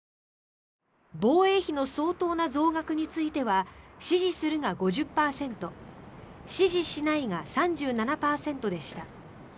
防衛費の相当な増額については支持するが５０％支持しないが３７％でした。